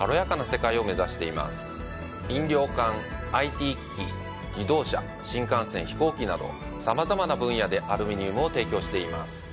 飲料缶ＩＴ機器自動車新幹線飛行機などさまざまな分野でアルミニウムを提供しています。